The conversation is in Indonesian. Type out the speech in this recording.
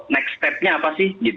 next step nya apa sih